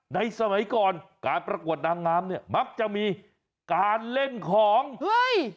สมัยก่อนการประกวดนางงามเนี่ยมักจะมีการเล่นของเฮ้ย